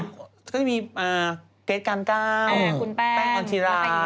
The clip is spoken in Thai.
ก็มีเกรทกันก้าวแป้งออนทิรา